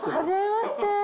初めまして。